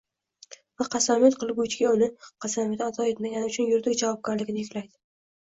va qasamyod qiluvchiga uni – qasamyodni ado etmagani uchun yuridik javobgarlikni yuklaydi».